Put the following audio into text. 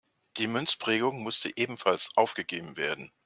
Die Münzprägung musste ebenfalls aufgegeben werden.